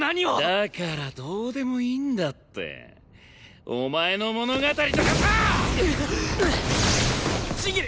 だからどうでもいいんだってお前の物語とかさ！！千切！？